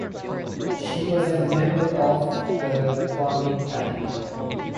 He was a member of the Kuomintang.